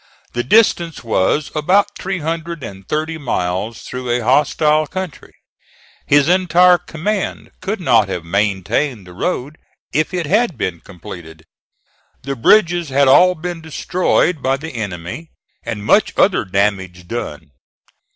The distance was about three hundred and thirty miles through a hostile country. His entire command could not have maintained the road if it had been completed. The bridges had all been destroyed by the enemy, and much other damage done.